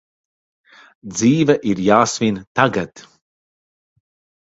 Dzīve ir jāsvin tagad!